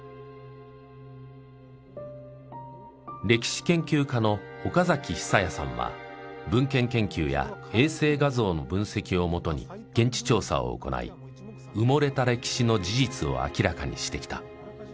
歴史研究家の岡崎久弥さんは文献研究や衛星画像の分析をもとに現地調査を行い埋もれた歴史の事実を明らかにしてきた。